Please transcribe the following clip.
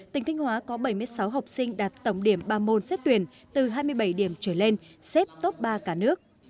tỉnh thanh hóa có bảy mươi sáu học sinh đạt tổng điểm ba môn xét tuyển từ hai mươi bảy điểm trở lên xếp top ba cả nước